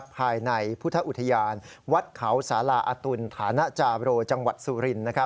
ภายในพุทธอุทยานวัดเขาสาราอตุลฐานจาโรจังหวัดสุริน